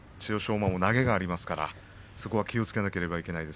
馬も投げがありますから気をつけていかなければなりません。